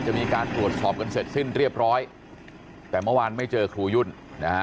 จะมีการตรวจสอบกันเสร็จสิ้นเรียบร้อยแต่เมื่อวานไม่เจอครูยุ่นนะฮะ